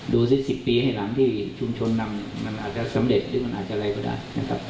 ดูสิ๑๐ปีให้หลังที่ชุมชนนำมันอาจจะสำเร็จหรือมันอาจจะอะไรก็ได้นะครับ